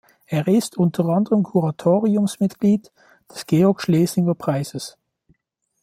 Er ist unter anderem Kuratoriumsmitglied des Georg-Schlesinger-Preises.